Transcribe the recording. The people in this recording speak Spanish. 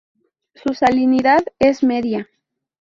Su salinidad es media.